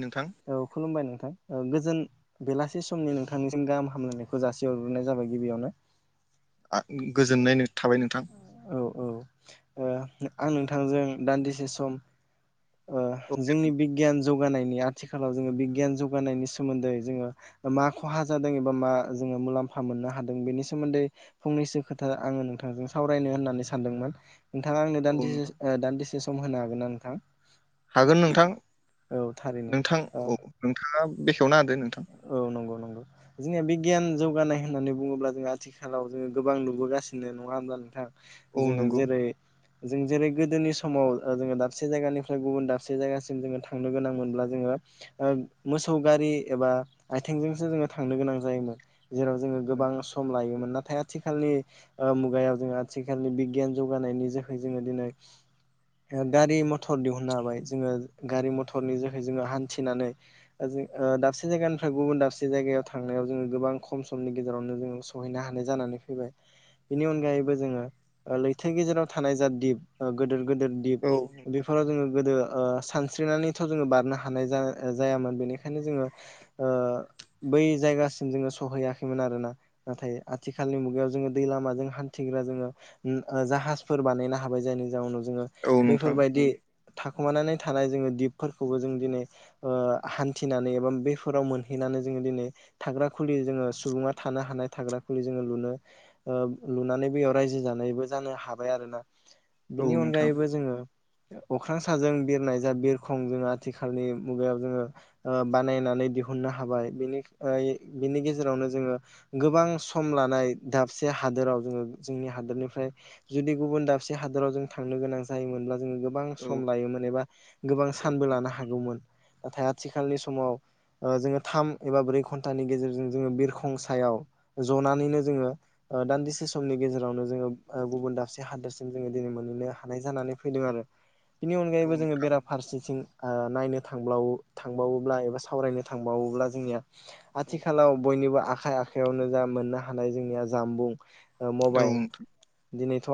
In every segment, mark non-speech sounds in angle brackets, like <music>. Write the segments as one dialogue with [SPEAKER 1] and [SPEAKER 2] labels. [SPEAKER 1] नोंथां
[SPEAKER 2] औ खुलुमबाय नोंथां जों बेलासे समनि नोंथांनिसिम गाहाम हामलायनायखौ जासिहरग्रोनाय जाबाय गिबियावनो
[SPEAKER 1] गोजोननाय थाबाय नोंथां
[SPEAKER 2] औ औ ओ आं नोंथांजों दान्दिसे सम
[SPEAKER 1] औ
[SPEAKER 2] जोंनि बिगियान जुग आथिखालाव बिगियान जोगानायनि जानायनि सोमोन्दै जोङ मा खहा जादों एबा मा जो मुलाम्फा मोननो हादों बेनि सोमोन्दै फंनैसो खोथा आङो नोंथां नोंथांजों सावरायनो होननानै सानदोंमोन नोंथाङा आंनो
[SPEAKER 1] औ नोंथां
[SPEAKER 2] दान्दिसे दान्दिसे सम होनो हागोन ना नोंथां
[SPEAKER 1] हागोन नोंथां
[SPEAKER 2] औ थारैनो
[SPEAKER 1] नोंथां
[SPEAKER 2] ओ
[SPEAKER 1] औ नोंथाङा बेखेवना होदो नोंथां
[SPEAKER 2] औ नंगौ नंगौ जोंनिया बिगियान जौगानाय होननानै बुङोब्ला जोंङ आथिखालाव जोङो गोबां नुबोगासिनो नङा होनोमब्ला नोंथाङां
[SPEAKER 1] औ
[SPEAKER 2] जोङो
[SPEAKER 1] नंगौ
[SPEAKER 2] जेरै जों जेरै गोदोनि समाव जोङो दाबसे जायगानिफ्राय गुबुन दाबसे जायगासिम जोङो थांनो गोनां मोनब्ला जोङो मोसौ गारि एबा आथिंजोंसो जोङो थांनो गोनां जायोमोन जेराव जोङो गोबां सम लायोमोन नाथाय आथिखालनि मुगायाव जोङो आथिखालनि बिगियान जौगानायनि जोहै जोङो दिनै गारि मथर दिहुुननो हाबाय जोङो गारि मथरनि थाखाय जोङो हान्थिनानै दा दाबसे जायगानिफ्राय गुबुन दाबसे जायगायाव थांनायाव जोङो गोबां खम समनि गेजेरावनो जोङो सहैनो हानाय जानानै फैबाय बेनि अनगायैबो जोङो लैथो गेजेराव थानाय जा दिप गेदेर गेदेर दिप
[SPEAKER 1] औ
[SPEAKER 2] बेफोराव जोङो गोदो सानस्रिनानैथ' जोङो बारनो हानाय जायामोन बेनिखायनो जोङो बै जायगासिम जोङो सहैयाखैमोन आरोना नाथाय आथिखालनि मुगायाव ज जों दै लाम जों हान्थिग जोङो जाहाज बानायनो हाबाय जायनि जाव जोङो
[SPEAKER 1] औ नोंथां
[SPEAKER 2] बैफोरबायदि थाखुमानानै थानाय जोङो दिपफोरखौबो जों दिनै हान्थिनानै एबा बेफोराव मोनहैनानै जोङो दिनै थाग्रा खुलि जोङो सुबुङा थानो हानाय थाग्रा खुलि जोङो लुनो लुनानै बयाव रायजो जानायबो जानो हाबाय आरो ना
[SPEAKER 1] औ
[SPEAKER 2] बिनि
[SPEAKER 1] नोंथां
[SPEAKER 2] अनगायैबो जोङो अख्रां साजों बिरनाय जा बिरखं जोङो आथिखालनि मुगायाव जोङो बानायनानै हानि गेजेरावनो जोङो गोबां सम लानाय से हादोराव जोङो जोंनि हादोरनिफ्राय जुदि गुबुन दाबसे हादोराव जों थांनो गोनां जायोमोनब्ला जोङो गोबां
[SPEAKER 1] औ
[SPEAKER 2] सम लायोमोन एबा गोबां
[SPEAKER 1] औ
[SPEAKER 2] सानबो लानो हागौमोन नाथाय आथिखालनि समाव जोङो थाम एबा ब्रै घन्टानि गेजेरजों जोङो बिरखं सायाव जनानैनो जोङो दान्दिसे समनि गेजेरावनो जोङो गुबुन दाबसे हादोरसिम जोङो दिनै मोनहैनो हानाय जानानै फैदों बिनि
[SPEAKER 1] औ
[SPEAKER 2] अनगायैबो जोङो बेराफारसेथिं नायनो थांबावोब्ला एबा सावरायनो थांबावोब्ला जोंनिया
[SPEAKER 1] औ
[SPEAKER 2] आथिखालाव बयनिबो आ आखाइ आखयावनो जा मोननो हानाय जोंनिया जामबुं
[SPEAKER 1] औ
[SPEAKER 2] मबाइल
[SPEAKER 1] नोंथां
[SPEAKER 2] दिनैथ'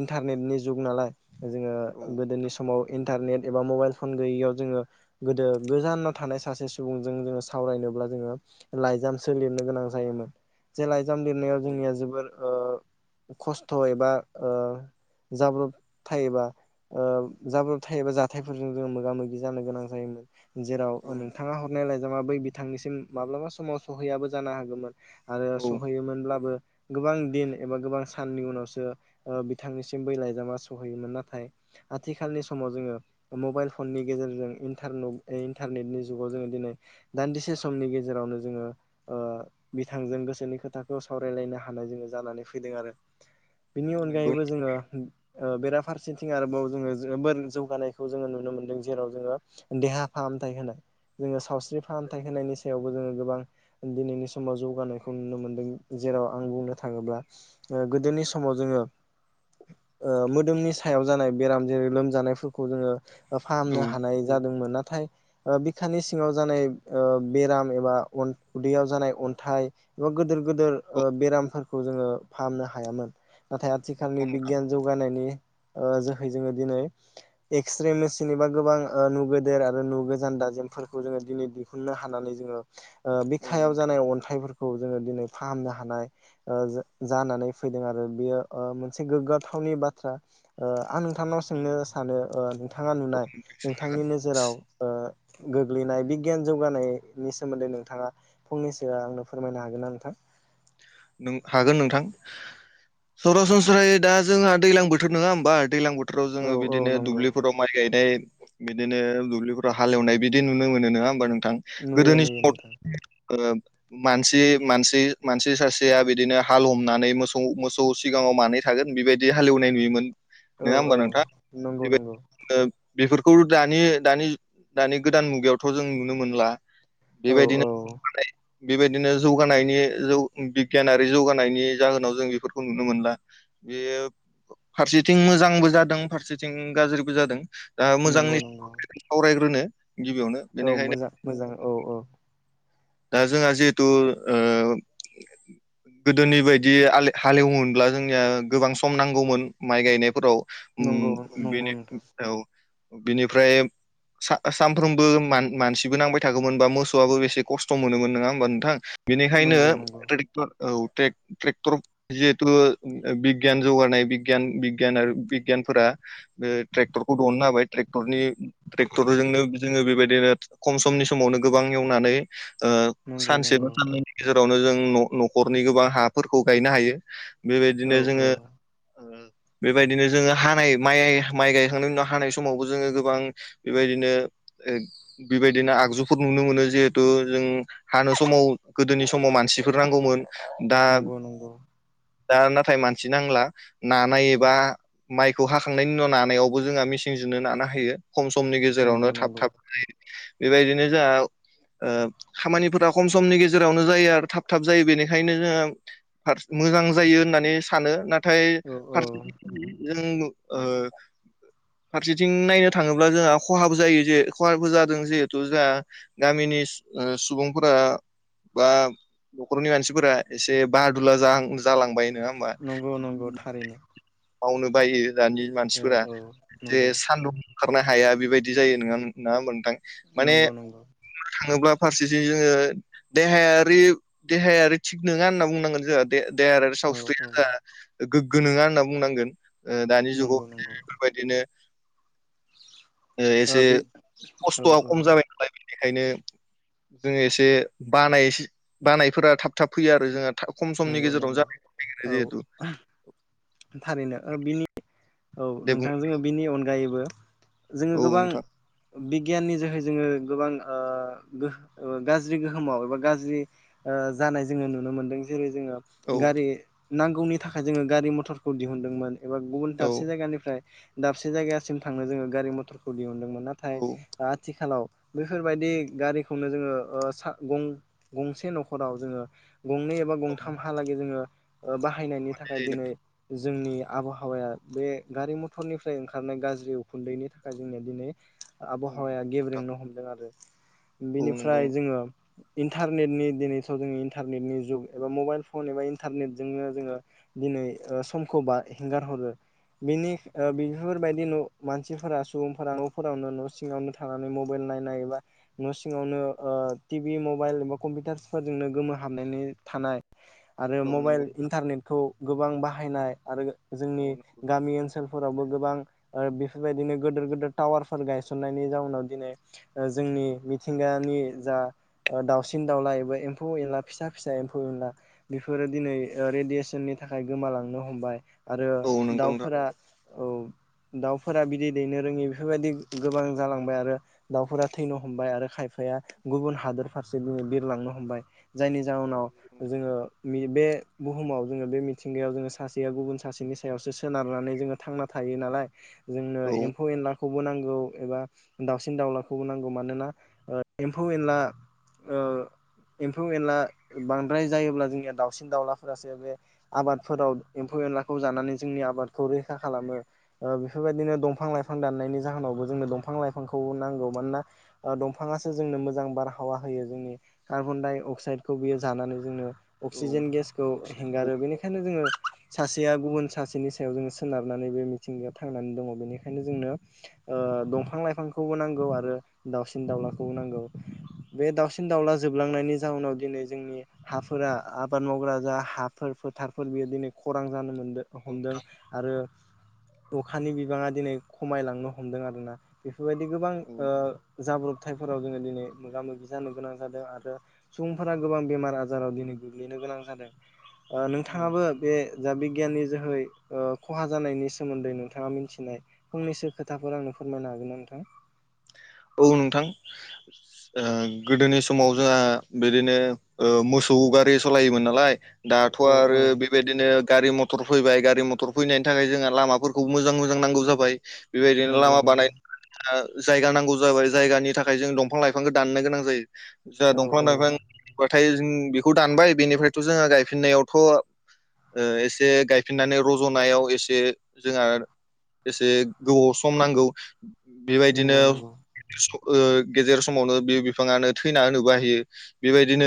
[SPEAKER 2] इन्टारनेटनि जुग नालाय जोङो
[SPEAKER 1] औ
[SPEAKER 2] गोदोनि
[SPEAKER 1] नोंथां
[SPEAKER 2] समाव इन्टारनेट मबाइल फन गैयियाव जों‌ गोजानाव थानाय सासे सुबुंजों जोङो सावरायनोब्ला जोङो लाइजामसो लिरनो गोनां जायोमोन जे लाइजाम जाम लिरनायाव
[SPEAKER 1] औ
[SPEAKER 2] जोंनिया जोबोर खस्थ' एबा जाब्रब थायोबा जाब्रबथाय एबा जाथायफोरजों जों मोगा मोगि जानो गोनां जायोमोन जेरै अ
[SPEAKER 1] नोंथां
[SPEAKER 2] नोंथाङा हरनाय लाइजामा बै बिथांनिसिम माब्लाबा समाव सहैयाबो जानो हागौमोन आरो
[SPEAKER 1] औ
[SPEAKER 2] सहैयोमोनब्लाबो गोबां दिन एबा गोबां साननि उनावसो बिथांनिसिम बै लाइजामा सहैयोमोन नाथाय आथिखालनि समाव जोङो मबाइल फननि गेजेरजों इन्टारने इन्टारनेटनि जुगाव जोङो दिनै दान्दिसे समनि गेजेरावनो जोङो बिथांजों गोसोनि खोथाखौ सावरायलायनो हानाय जोङो जानानै फैदों आरो बिनि
[SPEAKER 1] नंगौ
[SPEAKER 2] अनगायैबो जोङो बेराफारसेथिं आरोबाव जोङो जोर जौगानायखौ जोङो नुनो मोनदों जेराव जोङो देहा फाहामथाय होनाय जोङो सावस्रि फाहामथाय होनायनि सायावबो जोङो गोबां दिनैनि समाव जौगानायखौ नुनो मोनदों जेराव आं बुंनो थाङोब्ला गोदोनि सम समाव जोङो मोदोमनि सायाव जानाय बेराम जेरै लोमजानायफोरखौ जोङो
[SPEAKER 1] औ
[SPEAKER 2] फाहामनो हानाय जादोंमोन नाथाय बिखानि सिङाव जानाय बेराम एबा उदैयाव जानाय अन्थाइ एबा गिदिर गिदिर बेरामफोरखौ जोङो फाहामनो हायामोन नाथाय
[SPEAKER 1] औ
[SPEAKER 2] आथिखालनि
[SPEAKER 1] नोंथां
[SPEAKER 2] बिगियान जौगानायनि जोहै जोङो दिनै एक्सरे मेसिन एबा गोबां नुनो गेदेर आरो गोजान दाजेमफोरखौ जोङो दिनै दिहुननो हानानै जोङो
[SPEAKER 1] औ
[SPEAKER 2] बिखायाव
[SPEAKER 1] नोंथां
[SPEAKER 2] जानाय अन्थाइफोरखौ जोङो दिनै फाहामनो हानाय जानानै फैदों आरो बेयो मोनसे गोग्गाथावनि बाथ्रा आं नोंथांनाव
[SPEAKER 1] औ
[SPEAKER 2] सोंनो
[SPEAKER 1] नोंथां
[SPEAKER 2] सानो नोंथाङा नुनाय नोंथांनि नोजोराव गोग्लैनाय बिगियान जौगानायनि सोमोन्दै नोंथाङा फंनैसो आंनो फोरमायनो हागोन ना नोंथां <inaudible>
[SPEAKER 1] हागोन नोंथां सरासनस्रायै दा जोंहा दैज्लां बोथोर नङा होमबा दैज्लां बोथोराव
[SPEAKER 2] औ
[SPEAKER 1] जोङो
[SPEAKER 2] औ
[SPEAKER 1] बिदिनो
[SPEAKER 2] नंगौ
[SPEAKER 1] दुब्लिफोराव माइ गायनाय बिदिनो दुब्लिफोराव हालेवनाय बिदि नुनो मोनो नङा होमबा नोंथां
[SPEAKER 2] नुयो
[SPEAKER 1] गोदोनि
[SPEAKER 2] नुयो
[SPEAKER 1] समाव
[SPEAKER 2] नोंथां
[SPEAKER 1] मानसि मानसि मानसि सासे जाया बिदिनो हालेवनानै मोसौ मोसौ सिगाङाव मानै थागोन बेबायदि हालेवनाय नुयोमोन
[SPEAKER 2] औ
[SPEAKER 1] नङा होमबा
[SPEAKER 2] औ नंगौ नंगौ
[SPEAKER 1] नोंथाङा बेफोरखौ दानि दानि दानि गोदान मुगायावथ' जों नुनो मोनला
[SPEAKER 2] औ
[SPEAKER 1] बेबायदिनो
[SPEAKER 2] औ
[SPEAKER 1] बेबायदिनो जौगानायनि जौ गियानारि जौगानायनि जाहोनाव जों बेफोरखौ नुनो मोनला बेयो फारसेथिं मोजांबो जादों फारसेथिं गाज्रिबो जादों दा मोजांनि
[SPEAKER 2] नंगौ नंगौ
[SPEAKER 1] सावरायग्रोनो गिबियावनो
[SPEAKER 2] औ
[SPEAKER 1] बेनिखायनो
[SPEAKER 2] मोजां मोजां औ औ
[SPEAKER 1] दा जोंहा जिहेथु
[SPEAKER 2] <inaudible>
[SPEAKER 1] गोदोनि बायदि हालेवोमोनब्ला जोंनिया गोबां सम नांगौमोन माइ गायनायफोराव उ
[SPEAKER 2] नंगौ नंगौ
[SPEAKER 1] बेनि
[SPEAKER 2] नोंथां
[SPEAKER 1] बिनिफ्राय सानफ्रोमबो मानसिबो नांबाय थागौमोन बा मोसौआबो बेसे खस्थ' खस्थ' मोनगोन नङा होमबा नोंथां बेनिखायनो
[SPEAKER 2] नंगौ नंगौ
[SPEAKER 1] ट्रेक्टर औ ट्रेक्टर जिहेतु बिगियान जौगानाय आरो फोर बे ट्रेक्टरखौ दहनो हाबाय ट्रेक्टर ट्रेक्टरजोंनो जोङो बेबायदिनो खम समनि समावनो गोबां एवनानै ओ
[SPEAKER 2] नंगौ
[SPEAKER 1] सानसे बा
[SPEAKER 2] नंगौ
[SPEAKER 1] साननैनि गेजेरावनो जों न'खरनि गोबां हाफोरखौ गायनो हायो
[SPEAKER 2] औ
[SPEAKER 1] बेबायदिनो
[SPEAKER 2] औ
[SPEAKER 1] जोङो बेबायदिनो जोङो हानाय माइ माइ गायखांनायनि उनाव हानाय समावबो जोङो गोबां बेबायदिनो ओ बेबायदिनो आगजुफोर नुनो मोनो जे थ जों हानो समाव गोदोनि समाव मानसिफोर नांगौमोन दा
[SPEAKER 2] नंगौ नंगौ।
[SPEAKER 1] दा नाथाय मानसि नांला नानाय एबा माइखौ हाखांनायनि उनाव नानायावबो जोंहा मेसिंजों नो नानो हायो खम समनि
[SPEAKER 2] नंगौ
[SPEAKER 1] गेजेरावनो थाब
[SPEAKER 2] नंगौ
[SPEAKER 1] थाब <inaudible> बेबायदिनो जाहा ओ खामानिफोरा खम समनि गेजेरावनो जायो आरो थाब थाब जायो बेनिखायनो जों फारस मो जां जायो होननानै सानो नाथाय
[SPEAKER 2] औ औ
[SPEAKER 1] फार <inaudible> जों ओ फारसेथिं नायनो थाङोब्ला जोंहा खहाबो जायो जे खहाबो जादों जिहेथु जाहा गामिनि ओ सुबुंफोरा। बा न'खरनि मानसिफोरा एसे बादुला जाहां जालांबाय। नोंआ होमबा।
[SPEAKER 2] नंगौ नंगौ थारैनो
[SPEAKER 1] मावनो बायो दानि
[SPEAKER 2] औ
[SPEAKER 1] मानसिफोरा
[SPEAKER 2] औ
[SPEAKER 1] जे
[SPEAKER 2] नंगौ
[SPEAKER 1] सान्दुं ओखारनो हाया बेबायदि जायो नोङा नोङा ओमबा नोथां माने।
[SPEAKER 2] नंगौ नंगौ
[SPEAKER 1] थाङोब्ला फारसेथिं जोङो देहायारि देहायारि थिग नोङा होनना बुंनांगोन जोहा दे-देहारि
[SPEAKER 2] औ औ
[SPEAKER 1] सावस्रियानो जा गोगो नङा होनना बुंनांगोन। ओ दानि जुगाव
[SPEAKER 2] नंगौ
[SPEAKER 1] <inaudible>
[SPEAKER 2] नंगौ
[SPEAKER 1] बेफोरबायदिनो। ओ एसे
[SPEAKER 2] औ
[SPEAKER 1] खस्त'आ
[SPEAKER 2] औ
[SPEAKER 1] कम जाबाय नालाय बेनिखायनो जोङो एसे बानायस बानायफोरा थाब थाब फैयो आरो जोंहा था खम समनि
[SPEAKER 2] नंगौ
[SPEAKER 1] गेजेरावनो
[SPEAKER 2] नंगौ
[SPEAKER 1] जानायखौ <inaudible>
[SPEAKER 2] औ
[SPEAKER 1] जेहेतु।
[SPEAKER 2] थारैनो ओ बिनि औ
[SPEAKER 1] दे बुं
[SPEAKER 2] नोंथांजोंङो बिनि अनगायैबो। जोङो
[SPEAKER 1] औ
[SPEAKER 2] गोबां
[SPEAKER 1] नोंथां
[SPEAKER 2] बिगियाननि जोहै जोङो। गोबां ओ गोह ओ गाज्रि गोहोमाव एबा गाज्रि ओ जानाय जोङो नुनो मोनदों जेरै जोङो
[SPEAKER 1] औ
[SPEAKER 2] गारि नांगौनि थाखाय जोङो गारि मथरखौ दिहुनदोंमोन। एबा गुबुन
[SPEAKER 1] औ
[SPEAKER 2] दाबसे जायगानिफ्राय दाबसे जायगासिम थांनो जोङो गारि मथरखौ दिहुनदोंमो नाथाय
[SPEAKER 1] औ
[SPEAKER 2] ओ आथिखालाव बैफोरबायदि गारिखौनो जोङों ओ सा गं-गंसे न'खराव जोङो। गंनै एबा
[SPEAKER 1] औ
[SPEAKER 2] गंथाम हालागै जोङो ओ बाहायनायनि थाखाय दिनै जोंनि आबहावाया बे गारि मथरनिफ्राय ओंखारनाय गाज्रि उखुन्दैनि थाखाय जोंनिया दिनै
[SPEAKER 1] औ
[SPEAKER 2] आबहावाया
[SPEAKER 1] नोंथां
[SPEAKER 2] गेब्रेंनो हमदों आरो।
[SPEAKER 1] औ नंगौ
[SPEAKER 2] बिनिफ्राय जोङो। इन्टारनेटनि दिनैथ' जोङो इन्टारनेटनि जुग एबा मबाइल फन एबा इन्टारनेटजोंनो जोङो दिनै। ओ समखौ बा हेंगार हरो। बिनि ओ बिफोरबायदि न' मानसिफोरा सुबुंफोरा न'फोरावनो न' सिङावनो थानानै मबेल नायनाय एबा न' सिङावनो ओ टिबि मबाइल एबा कम्पिउटार फोरजोंनो गोमो हाबनानै थानाय आरो
[SPEAKER 1] औ
[SPEAKER 2] मबाइल
[SPEAKER 1] नंगौ
[SPEAKER 2] इन्टारनेटखौ गोबां बाहायनाय आरो
[SPEAKER 1] औ
[SPEAKER 2] जोंनि
[SPEAKER 1] नंगौ नोंथां
[SPEAKER 2] गामि ओनसोलफोरावबो गोबां ओ बेफोरबायदिनो गोदोर गोदोर टावारफोर गायसननायनि जाउनाव दिनै ओ जोंनि मिथिंगानि जा ओ दाउसिन दाउला एबा एम्फौ एनला फिसा फिसा एम्फौ एनला बेफो फोरो दिनै ओ रेडियेसननि थाखाय गोमालांनो हमबाय आरो
[SPEAKER 1] औ नंगौ नोंथां
[SPEAKER 2] दाउफोरा। औ। दाउफोरा बिदै दैनो रोङि बेफोरबायदि गोबां जालांबाय आरो दाउफोरा थैनो हमबाय आरो खायफ फाया गुबुन हादर फारसे दिनै बिरलांनो हमबाय। जायनि
[SPEAKER 1] औ
[SPEAKER 2] जाहोनाव
[SPEAKER 1] नंगौ नोंथां
[SPEAKER 2] जोङो मि बे बुहुमाव जोङो बे मिथिंगायाव जोङो सासेया गुबुन सासेनि सायावसो सोनारनानै जोङो थांना थायो नालाय। जोंनो
[SPEAKER 1] औ
[SPEAKER 2] एम्फौ एनलाखौबो नांगौ। एबा दाउसिन दाउलाखौबो नांगौ मानोना ओ एम्फौ एनला ओ एम्फौ एनला बांद्राय जायोब्ला जोंनिया दाउसिन दाउलाफोरासो बे आबादफोराव एम्फौ एनलाखौ जानानै जोंनि आबादखौ रैखा खालामो ओ बेफोरबायदिनो दंफां लाइफां दाननायनि जाहोनाव जोंनो दंफां लाइफांखौ नांगौ मानोना ओ दंफाङासो जोंनो मोजां बारहावा होयो जोंनि कार्बन डाइ अक्साइदखौ बियो जानानै जोंनो
[SPEAKER 1] औ
[SPEAKER 2] अक्सिजेन गेसखौ
[SPEAKER 1] अक्सि औ
[SPEAKER 2] हेंगारो बेनिखायनो जोङो। सासेया गुबुन सासेनि सायाव जोङो सोनारनानै बे मिथिंगाया थांनानै दङ बेनि। ओंखायनो जोंनो ओ दंफां लाइफांखौबो नांगौ आरो दाउसिन दाउलाखौबो नांगौ। बे दाउसिन दाउला जोबलांनायनि जा। जाउनाव दिनै जोंनि हाफोरा आबाद मावग्रा जा हाफोर फोर थारफोर बियो दिनै। खौरां जानो मोनदों
[SPEAKER 1] नंगौ
[SPEAKER 2] हमदों आरो। अखानि बिबाङा दिनै खमायलांनो हमदों आरोना बेफोरबायदि गोबां
[SPEAKER 1] औ
[SPEAKER 2] ओ जाब्रब। हाथायफोराव जोङो दिनै मोगा मोगि जानो गोनां जादों आरो। सुबुंफोरा गोबां बेमार आजाराव दिनै गोग्लैनो गोनां जादों नोंथाङाबो बे जा बिगियाननि जोहै खहा जानायनि सोमोन्दै नोंथाङा मिथिनाय फंनैसो खोथाफोर आं नो फोरमायनो हागोन नोंथां
[SPEAKER 1] औ नोंथां गोदोनि समाव जोंहा बिदिनो मो सौ गारि सालायोमोन नालाय दाथ'
[SPEAKER 2] औ औ
[SPEAKER 1] आरो बेबायदिनो गारि मथर फैबाय गारि मथर फैनायनि थाखाय जोंहा लामाफोरखौ मोजां मोजां नांगौ जाबाय बेबायदिनो
[SPEAKER 2] नंगौ
[SPEAKER 1] लामा
[SPEAKER 2] नंगौ
[SPEAKER 1] बानाय जायगा नांगौ जाबाय जायगानि थाखाय जों दंफां लाइफांखौ दाननो गोनां जायो जों
[SPEAKER 2] औ
[SPEAKER 1] दंफां
[SPEAKER 2] औ
[SPEAKER 1] लाइफां नाथाय जों बेखौ दानबाय बेनिफ्रायथ' जोङो गायफिननायावथ' एसे गायफिननानै रज'नायाव एसे जोंहा एसे गोबावाव सम नांगौ बेबायदिनो
[SPEAKER 2] नंगौ नंगौ
[SPEAKER 1] गेजेर समावनो बे बिफाङानो थैना होनो बाहायो बेबायदिनो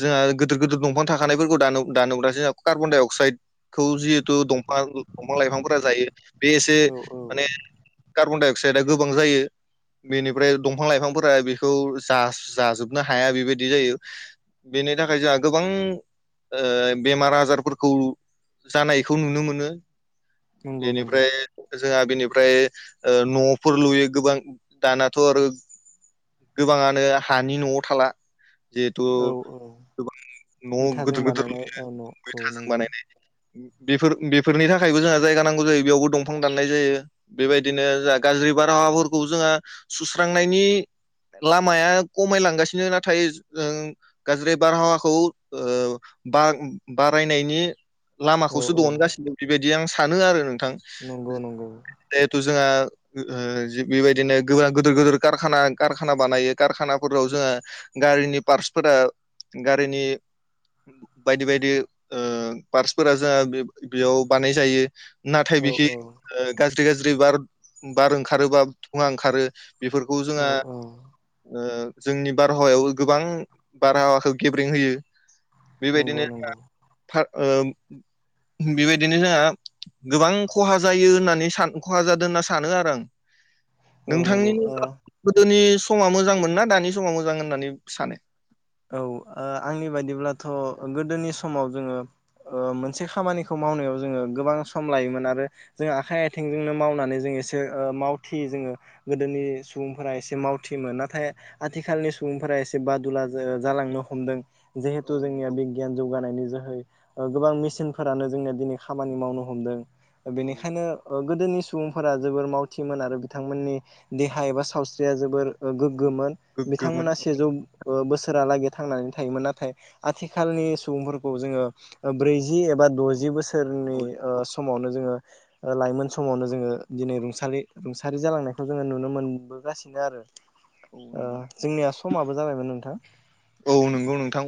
[SPEAKER 1] जोंहा गिदिर गिदिर दंफां थाखानायफोरखौ दानो दानोब्लासो जहा कार्बन डाइ अक्साइदखौ जिहेतु दं फां दंफां लाइफांफोरा जायो बे एसे
[SPEAKER 2] औ औ
[SPEAKER 1] माने कार्बन डाइ अक्साइदआ गोबां जायो। बेनिफ्राय दंफां लाइफांफोरा बेखौ जाजोबनो हाया बेबायदि जायो। बेनि थाखाय जोंहा गोबां बेमार आजारफोरखौ जानायखौ नुनो मोनो।
[SPEAKER 2] नंगौ नंगौ
[SPEAKER 1] बेनिफ्राय जोंहा बेनिफ्राय न'फोर लुयो गोबां दानाथ' आरो गोबाङानो हानि न'आव थाला। जिहेथु
[SPEAKER 2] औ औ
[SPEAKER 1] गोबां न'आव
[SPEAKER 2] इथाजों
[SPEAKER 1] गिदिर गिदिर
[SPEAKER 2] बानायनाय
[SPEAKER 1] लुयो
[SPEAKER 2] औ न औ
[SPEAKER 1] इटाजों
[SPEAKER 2] नंगौ
[SPEAKER 1] बानायनाय बेफोर बेफोरनि थाखायबो जोंहा जायगा नांगौ जायो बेयावबो दंफां दाननाय जायो बेबायदिनो जोंहा गा ज्रि बारहावाफोरखौ जोङो सुस्रांनायनि लामाया खमायलांगासिनो नाथाय जों गाज्रि बारहावाखौ ओ बार बारायनायनि
[SPEAKER 2] औ
[SPEAKER 1] लामाखौसो
[SPEAKER 2] औ
[SPEAKER 1] दिहुनगासिनो दं बेबायदि आं सानो आरो नों थां
[SPEAKER 2] नंगौ नंगौ
[SPEAKER 1] जेहेथु जोंहा बेबायदिनो गोब्रा गिदिर गिदोराराना कारखाना बानायो कारखानाफोराव जोङो गारिनि पार्टसफोरा गारिनि बायदि बायदि ओ पार्टसफोरा जोंहा बेयाव बानाय जायो। नाथाय
[SPEAKER 2] औ
[SPEAKER 1] बिखि
[SPEAKER 2] औ
[SPEAKER 1] गाज्रि गाज्रि बार बार ओंखारो बा थुङा ओंखारो बेफोरखौ
[SPEAKER 2] औ
[SPEAKER 1] जोंहा
[SPEAKER 2] औ
[SPEAKER 1] जोंनि बारहावायाव गोबां बारहावाखौ गेब्रें होयो
[SPEAKER 2] नंगौ
[SPEAKER 1] बेबायदिनो
[SPEAKER 2] नंगौ
[SPEAKER 1] जोंहा बेबायदिनो जोंहा गोबां खहा जायो होननानै सान खहा जादों होनना सानो आरो आं
[SPEAKER 2] औ नंगौ
[SPEAKER 1] नोंथांनि
[SPEAKER 2] ओ
[SPEAKER 1] गोदोनि समा मोजांमोन ना दानि समा मोजां होननानै सानो
[SPEAKER 2] औ ओ आंनि बायदिब्लाथ' गोदोनि समाव जोङो मोनसे खामानिखौ मावनायाव जोङो गोबां सम लायोमोन आरो जोंहा आखाइ आथिंजोंनो मावनानै जों मेसो मावथि जोङो गोदोनि सुबुंफोरा एसे मावथिमोन नाथाय आथिखालनि सुबुं फोर एसे बादुला जालांनो हमदों
[SPEAKER 1] औ
[SPEAKER 2] जिहेथु जोंनिया
[SPEAKER 1] नंगौ
[SPEAKER 2] बिगियान जौगानायनि जोहै गोबां मेसिनफोरानो जोंनिया दिनै खामानि मावनो हमदों
[SPEAKER 1] औ
[SPEAKER 2] बेनिखायनो गोदोनि सु बुंफोरा जोबोर मावथिमोन आरो बिथांमोननि देहा एबा सावस्रिया जोबोर
[SPEAKER 1] औ
[SPEAKER 2] गोग्गोमोन
[SPEAKER 1] गोग्गोमोन
[SPEAKER 2] बिथांमोना सेजौ बोसोर रालागै थांनानै थायोमोन नाथाय आथिखालनि सुबुंफोरखौ जोङो ब्रैजि एबा द'जि बोसो सोरनि
[SPEAKER 1] औ
[SPEAKER 2] समावनो जोङो लाइमोन समावनो जोङो दिनै रुंसारि रुंसारि जालांनायखौ जोङो नुनो मोनबोगासिनो आरो।
[SPEAKER 1] औ नंगौ
[SPEAKER 2] जोंनिया समाबो जाबायमोन नोंथां।
[SPEAKER 1] औ नोंगौ नोंथां।